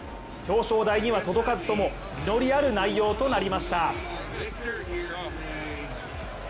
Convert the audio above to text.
表彰台には届かずとも実りある内容となりました。